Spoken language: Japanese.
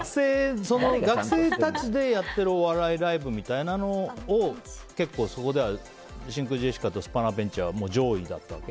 学生たちでやっているお笑いライブみたいなのを結構そこでは真空ジェシカとスパナペンチは上位だったわけ？